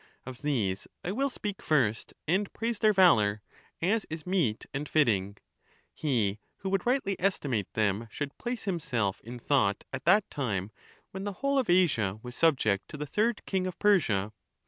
Of these I will speak first, and praise their valour, as is meet and fitting. He who would rightly estimate them should place himself in thought at that time, when the whole of Asia was subject to the third king of 239 The battle of Marathon. 523 Persia.